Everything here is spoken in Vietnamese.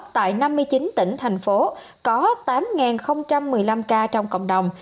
tại năm mươi chín tỉnh thành phố có tám một mươi năm ca trong cộng đồng